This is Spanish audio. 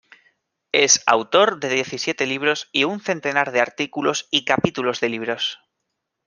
Es autor de diecisiete libros y un centenar de artículos y capítulos de libros.